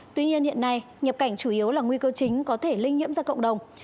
tuy nhiên hiện nay nhập cảnh chủ yếu là nguy cơ chính có thể lây nhiễm ra cộng đồng